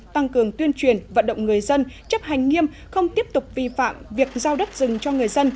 tăng cường tuyên truyền vận động người dân chấp hành nghiêm không tiếp tục vi phạm việc giao đất rừng cho người dân